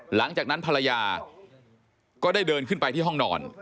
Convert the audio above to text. หลังจากนั้นภรรยาก็ได้เดินขึ้นไปที่ห้องนอน